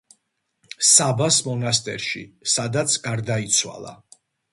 საბას მონასტერში, სადაც გარდაიცვალა.